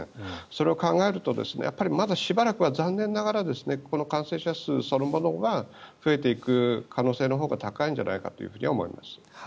それを考えるとやっぱりまだしばらくは残念ながらこの感染者数そのものが増えていく可能性のほうが高いんじゃないかと思います。